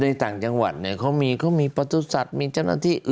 ในต่างจังหวัดก็มีประทุษฎาคม